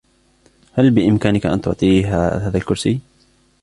هل بإمكانك أن تعطيها هذا الكرسي؟